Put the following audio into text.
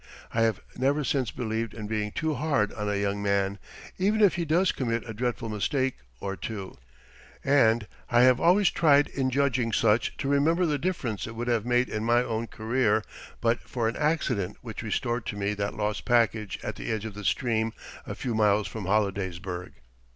I have never since believed in being too hard on a young man, even if he does commit a dreadful mistake or two; and I have always tried in judging such to remember the difference it would have made in my own career but for an accident which restored to me that lost package at the edge of the stream a few miles from Hollidaysburg.